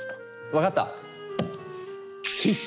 わかった！